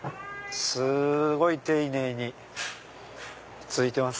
すごい丁寧に続いてます。